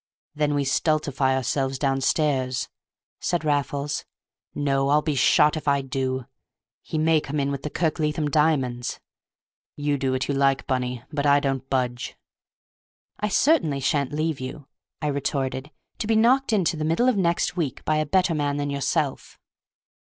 "Then we stultify ourselves downstairs," said Raffles. "No, I'll be shot if I do! He may come in with the Kirkleatham diamonds! You do what you like, Bunny, but I don't budge." "I certainly shan't leave you," I retorted, "to be knocked into the middle of next week by a better man than yourself."